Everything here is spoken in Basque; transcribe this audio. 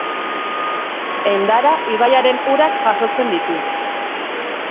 Endara ibaiaren urak jasotzen ditu.